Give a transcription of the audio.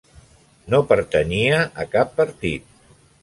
No pertanyia a cap partit.